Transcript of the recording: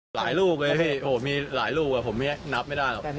หลายลูกเลยพี่โอ้มีหลายลูกผมนับไม่ได้หรอก